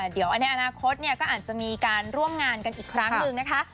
เดี๋ยวในอนาคตก็อาจจะมีการร่วมงานกันอีกครั้งหนึ่งนะคะ